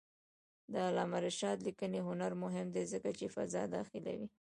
د علامه رشاد لیکنی هنر مهم دی ځکه چې فضا داخلوي.